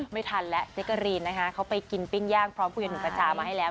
ไม่ทันแล้วเจ๊กกะรีนนะคะเขาไปกินปิ้งย่างพร้อมคุยกับหนูประชามาให้แล้ว